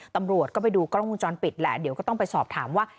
ตำรวจก็ไปดูกล้องวงจรปิดแหละเดี๋ยวก็ต้องไปสอบถามว่า